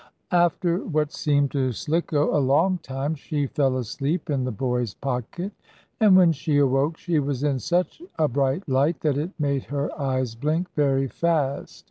After what seemed to Slicko a long time, she fell asleep in the boy's pocket, and, when she awoke, she was in such a bright light that it made her eyes blink very fast.